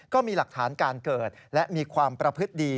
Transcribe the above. ก็มีหลักฐานการเกิดและมีความประพฤติดี